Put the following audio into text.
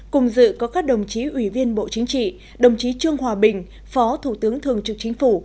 cùng dự có các đồng chí ủy viên bộ chính trị đồng chí trương hòa bình phó thủ tướng thường trực chính phủ